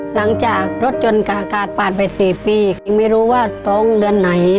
หลังจากรถยนต์กับอากาศปาดไป๔ปียังไม่รู้ว่าท้องเดือนไหน